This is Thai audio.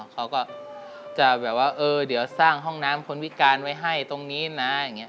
เขาก็จะแบบว่าเดี๋ยวสร้างห้องน้ำคนพิการไว้ให้ตรงนี้นะ